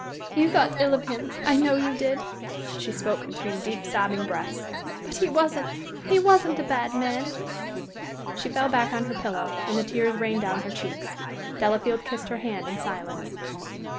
"You thought ill of him I know you did." She spoke between deep, sobbing breaths. "But he wasn't he wasn't a bad man." She fell back on her pillow and the tears rained down her cheeks. Delafield kissed her hand in silence.